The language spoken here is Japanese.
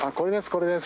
これです